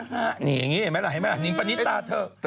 นี่อย่างนี้เห็นไหมล่ะนิ้งปะนิตตาเธอ